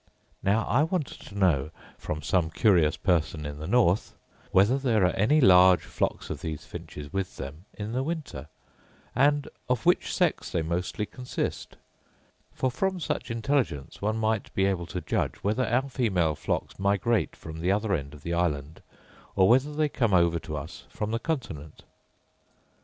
Now I want to know, from some curious person in the north, whether there are any large flocks of these finches with them in the winter, and of which sex they mostly consist? For, from such intelligence, one might be able to judge whether our female flocks migrate from the other end of the island, or whether they come over to us from the continent.